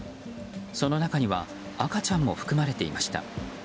その中には赤ちゃんも含まれていました。